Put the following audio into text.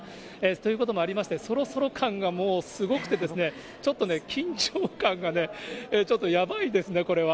ということもありまして、そろそろ感がもうすごくて、ちょっとね、緊張感がね、ちょっとやばいですね、これは。